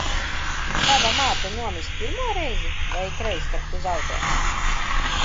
Tava māte nomirst pirmo reizi vai ikreiz, kad tu zaudē?